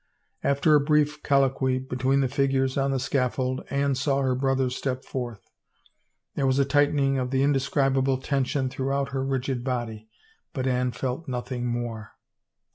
After a brief colloquy between the figures on the scaffold Anne saw her brother step forth. There was a tightening of the indescribable tension throughout her rigid body, but Anne felt nothing more.